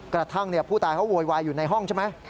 กระทั่งผู้ตายเขาโวยวายอยู่ในห้องใช่ไหม